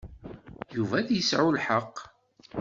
Yuba ad yesɛu lḥeqq.